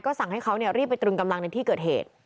สั่งให้เขารีบไปตรึงกำลังในที่เกิดเหตุ